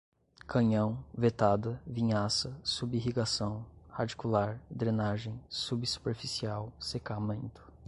canhão, vetada, vinhaça, sub irrigação, radicular, drenagem, subsuperficial, secamento